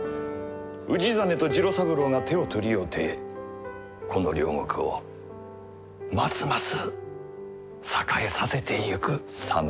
氏真と次郎三郎が手を取り合うてこの領国をますます栄えさせてゆく様がなあ。